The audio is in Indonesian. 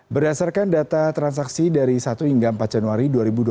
berdasarkan data transaksi dari satu hingga empat januari dua ribu dua puluh